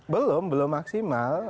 belum belum maksimal